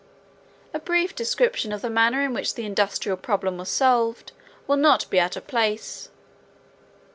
A brief description of the manner in which the industrial problem was solved will not be out of place.